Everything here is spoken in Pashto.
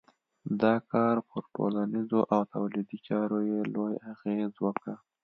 دا کار پر ټولنیزو او تولیدي چارو یې لوی اغېز وکړ.